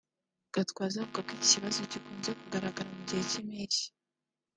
Gatwaza avuga ko iki kibazo gikunze kugaragara mu gihe cy’impeshyi